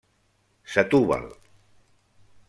Setúbal.